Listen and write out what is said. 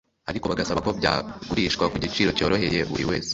ariko bagasaba ko byagurishwa ku giciro cyoroheye buri wese